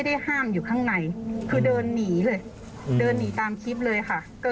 ได้ห้ามอยู่ข้างในคือเดินหนีเลยเดินหนีตามคลิปเลยค่ะ